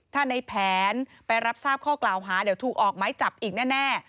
ถ้าในแผนไปรับทราบข้อกล่าวหาเดี๋ยวถูกออกไม้จับอีกแน่